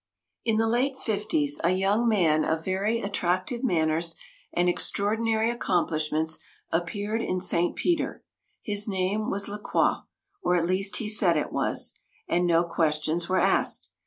In the late fifties a young man of very attractive manners and extraordinary accomplishments appeared in St. Peter. His name was La Croix, or at least he said it was, and no questions were asked.